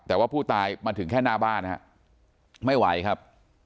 แต่ว่าผู้ตายมาถึงแค่หน้าบ้านฮะไม่ไหวครับ